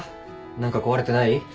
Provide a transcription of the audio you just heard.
何か壊れてない？